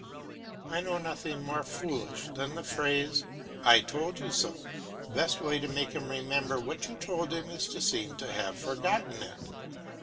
I know nothing more foolish than the phrase, "I told you so." The best way to make him remember what you told him is to seem to have forgotten it.